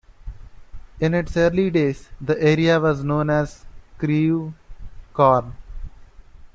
In its early days, the area was known as Crewcorne.